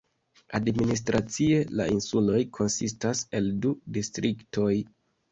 Administracie la insuloj konsistas el du distriktoj.